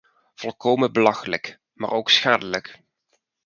Volkomen belachelijk, maar ook schadelijk.